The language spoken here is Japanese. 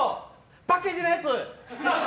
パッケージのやつ。